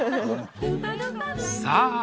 さあ